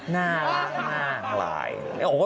น่ารักมาก